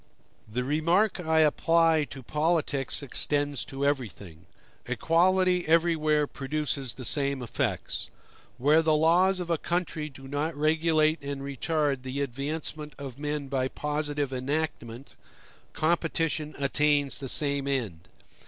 The remark I apply to politics extends to everything; equality everywhere produces the same effects; where the laws of a country do not regulate and retard the advancement of men by positive enactment, competition attains the same end.